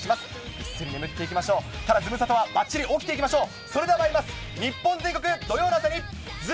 ぐっすり眠っていきましょう、ただズムサタはばっちり起きていきましょう。